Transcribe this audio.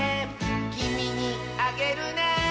「きみにあげるね」